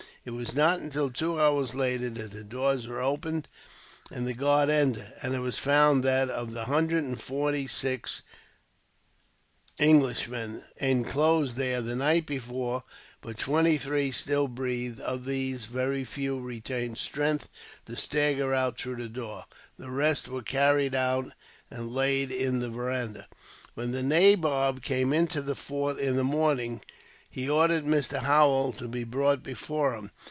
It was not until two hours later that the doors were opened, and the guard entered; and it was found that, of the hundred and forty six Englishmen inclosed there the night before, but twenty three still breathed. Of these, very few retained strength to stagger out through the door. The rest were carried out, and laid in the veranda. When the nabob came into the fort in the morning, he ordered Mr. Holwell to be brought before him.